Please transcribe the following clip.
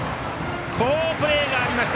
好プレーがありました